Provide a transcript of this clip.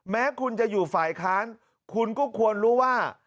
แม้คุณจะอยู่ฝ่ายค้านคุณก็ควรรู้ว่า